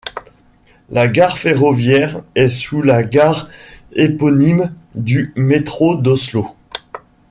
La gare ferroviaire est sous la gare éponyme du métro d'Oslo.